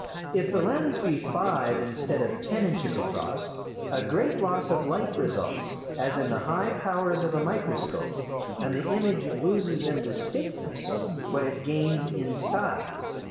If the lens be five instead of ten inches across, a great loss of light results, as in the high powers of a microscope, and the image loses in distinctness what it gains in size.